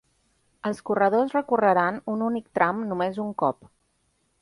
Els corredors recorreran un únic tram només un cop.